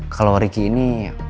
kalau ricky ini